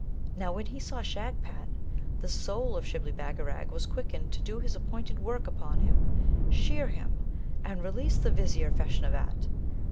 Now, when he saw Shagpat, the soul of Shibli Bagarag was quickened to do his appointed work upon him, shear him, and release the Vizier Feshnavat.